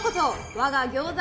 我が餃子